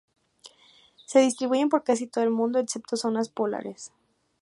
Se distribuyen por casi todo el mundo, excepto zonas polares.